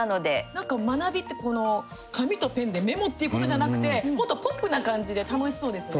なんか学びって、この紙とペンでメモってことじゃなくてもっとポップな感じで楽しそうですね。